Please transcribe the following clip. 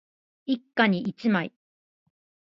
一家に一枚